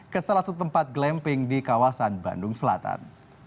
ke salah satu tempat glamping di kawasan bandung selatan